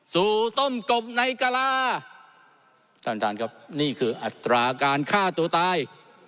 ต้มกบในกะลาท่านท่านครับนี่คืออัตราการฆ่าตัวตาย